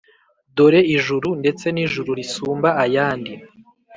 Dore ijuru ndetse n’ijuru risumba ayandi